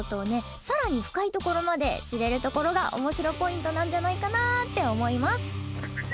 さらに深いところまで知れるところがおもしろポイントなんじゃないかなって思います。